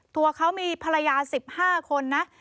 ตัวเขามีภรรยา๑๕คนนะ